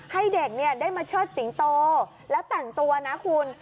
ให้เด็กได้มาเชิดสิงโตแล้วแต่งตัวนะคุณ